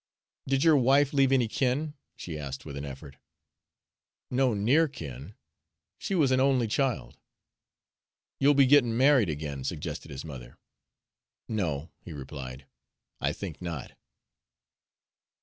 "Did your wife leave any kin?" she asked with an effort. "No near kin; she was an only child." "You'll be gettin' married again," suggested his mother. "No," he replied; "I think not."